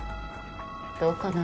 どうかな？